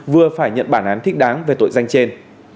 vừa phải nhận bản án thích đáng về tội danh trên